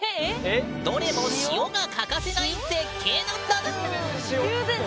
どれも「塩」が欠かせない絶景なんだぬーん！